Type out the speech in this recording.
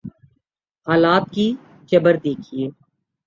حالات کا جبر دیکھیے۔